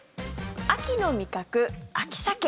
秋の味覚、秋サケ。